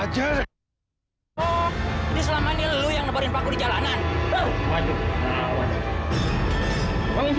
jadi selama ini lu yang nebari paku di jalanan